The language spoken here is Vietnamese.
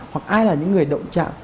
hoặc ai là những người động trạng